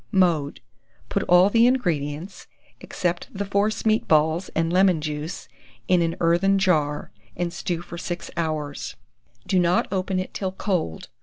Mode. Put all the ingredients, except the force meat balls and lemon juice, in an earthen jar, and stew for 6 hours. Do not open it till cold.